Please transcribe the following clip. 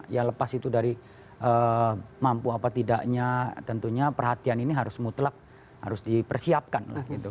ya lepas itu dari mampu apa tidaknya tentunya perhatian ini harus mutlak harus dipersiapkan lah gitu